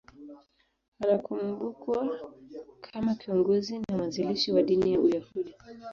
Anakumbukwa kama kiongozi na mwanzilishi wa dini ya Uyahudi.